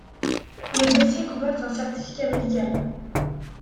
Le dossier comporte un certificat médical.